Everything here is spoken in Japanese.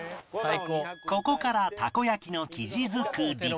ここからたこ焼きの生地作り